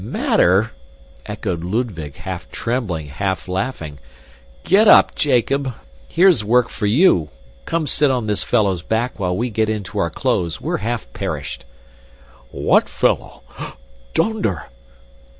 "Matter!" echoed Ludwig, half trembling, half laughing. "Get up, Jacob. Here's work for you. Come sit on this fellow's back while we get into our clothes, we're half perished." "What fellow? Donder!"